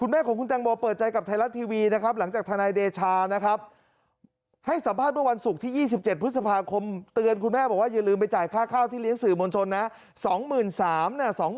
สองหมื่นสามนะสองหมื่นสาม